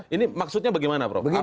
ini maksudnya bagaimana prof